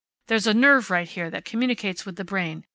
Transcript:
There's a nerve right here that communicates with the brain.